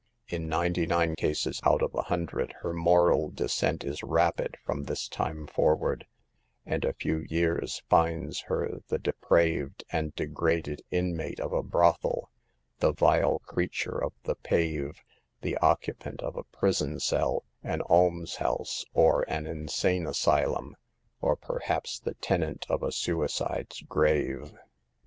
In ninety nine cases out of a hundred her moral descent is rapid from this time forward, and a few years finds her the de praved and degraded inmate of a brothel, the vile creature of the pave, the occupant of a prison cell, an almshouse or an insane asylum, or perhaps the tenant of a suicide's grave.